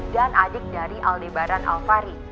dan adik dari aldebaran alfahri